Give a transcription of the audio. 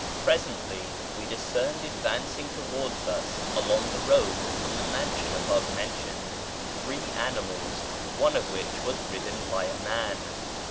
Presently we discerned advancing towards us along the road from the mansion above mentioned three animals, one of which was ridden by a man.